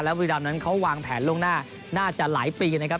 บุรีรำนั้นเขาวางแผนล่วงหน้าน่าจะหลายปีนะครับ